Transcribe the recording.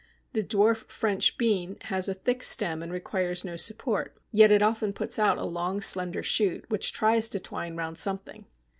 The dwarf French Bean has a thick stem and requires no support, yet it often puts out a long slender shoot which tries to twine round something.